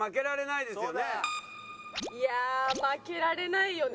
いやあ負けられないよね。